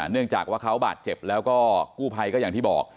เนื่องจากว่าเขาบาดเจ็บแล้วก็กู้ภัยก็อย่างที่บอก